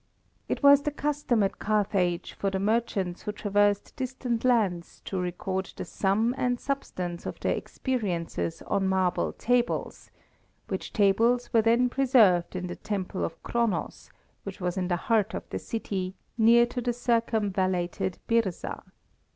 It was the custom at Carthage for the merchants who traversed distant lands to record the sum and substance of their experiences on marble tables, which tables were then preserved in the Temple of Kronos, which was in the heart of the city, near to the circumvallated Byrza.